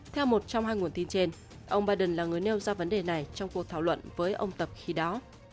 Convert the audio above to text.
theo một trong hai nguồn tin trên ông biden là người nêu ra vấn đề này trong cuộc thảo luận với ông tập khi đó